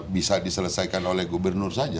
bisa diselesaikan oleh gubernur saja